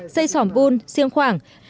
xây xỏm bùn siêng khoảng